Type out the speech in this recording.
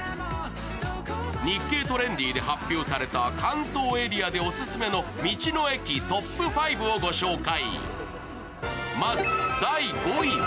「日経トレンディ」で発表された関東エリアでオススメの道の駅トップ５をご紹介。